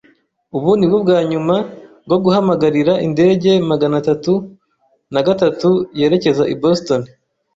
Ubu ni bwo bwa nyuma bwo guhamagarira Indege magana atatu nagatatu yerekeza i Boston.